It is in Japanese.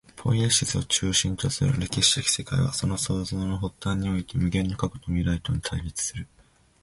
ポイエシスを中心とする歴史的世界は、その創造の尖端において、無限の過去と未来とに対立する。